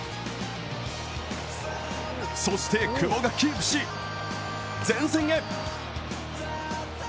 そして、久保がキープし前線へ！